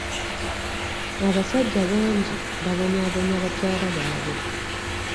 Abasajja bangi babonyaabonya bakyala baabwe.